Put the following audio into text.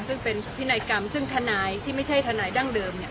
ซึ่งเป็นพินัยกรรมซึ่งทนายที่ไม่ใช่ทนายดั้งเดิม